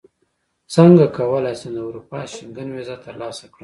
څنګه کولی شم د اروپا شینګن ویزه ترلاسه کړم